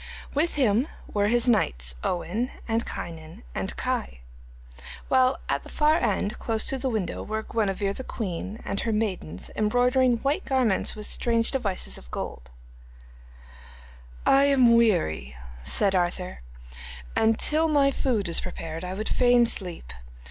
With him were his knights Owen and Kynon and Kai, while at the far end, close to the window, were Guenevere the queen and her maidens embroidering white garments with strange devices of gold. 'I am weary,' said Arthur, 'and till my food is prepared I would fain sleep.